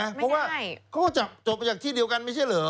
ไม่ได้เพราะว่าก็จบจากที่เดียวกันไม่ใช่เหรอ